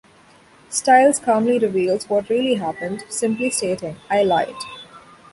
Stiles calmly reveals what really happened, simply stating, I lied.